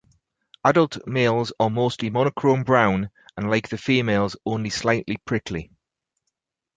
Adult males are mostly monochrome brown and like the females only slightly prickly.